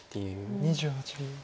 ２８秒。